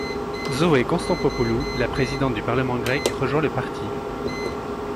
Zoé Konstantopoúlou, la présidente du Parlement grec rejoint le parti.